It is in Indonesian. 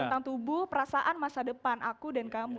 tentang tubuh perasaan masa depan aku dan kamu